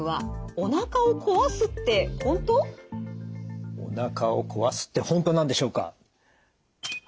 おなかを壊すって本当なんでしょうか？